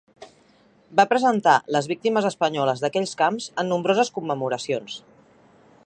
Va representar les víctimes espanyoles d'aquells camps en nombroses commemoracions.